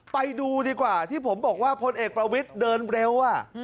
ไปดูดีกว่าที่ผมบอกว่าพลเอกประวิทย์เดินเร็ว